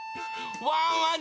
ワンワン